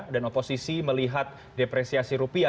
dan oposisi melihat depresiasi rupiah